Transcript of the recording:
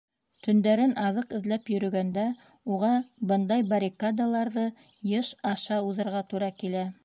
Төндәрен аҙыҡ эҙләп йөрөгәндә уға бындай «баррикада»ларҙы йыш аша уҙырға тура килә.